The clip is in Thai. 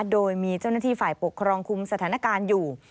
โดยมีเจ้าหน้าที่ฝ่ายปกครองคุมสถานการณ์อยู่